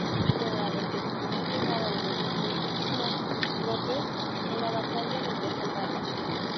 Pero la repentina llegada de los refuerzos clone Troopers en la batalla, logró salvarla.